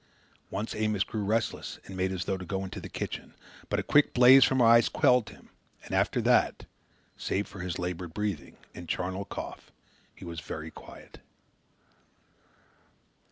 Once Amos grew restless and made as though to go into the kitchen; but a quick blaze from her eyes quelled him, and after that, save for his laboured breathing and charnel cough, he was very quiet.